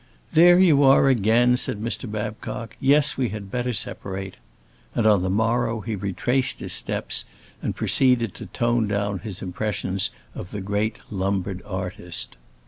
"There you are again!" said Mr. Babcock. "Yes, we had better separate." And on the morrow he retraced his steps and proceeded to tone down his impressions of the great Lombard artist.